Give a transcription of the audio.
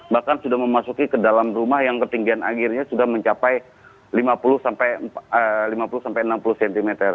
bahkan sudah memasuki ke dalam rumah yang ketinggian airnya sudah mencapai lima puluh sampai enam puluh cm